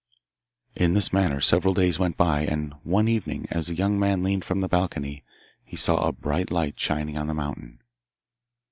In this manner several days went by. And one evening, as the young man leaned from the balcony, he saw a bright light shining on the mountain.